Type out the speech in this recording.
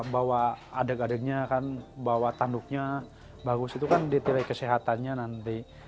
bahwa adeg adegnya kan bahwa tanduknya bagus itu kan ditilai kesehatannya nanti